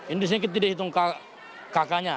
ini di sini kita tidak hitung kakaknya